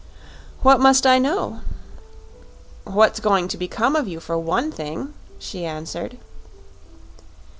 "What must I know?" "What's going to become of you, for one thing," she answered.